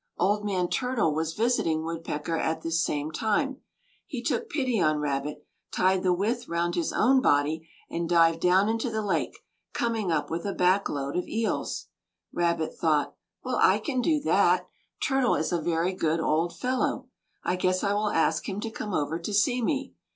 Old man Turtle was visiting Woodpecker at this same time. He took pity on Rabbit, tied the withe round his own body, and dived down into the lake, coming up with a back load of eels. Rabbit thought: "Well, I can do that. Turtle is a very good old fellow, I guess I will ask him to come over to see me."